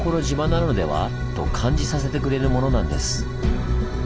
島なのでは？と感じさせてくれるものなんです。